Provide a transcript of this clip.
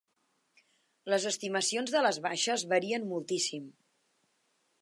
Les estimacions de les baixes varien moltíssim.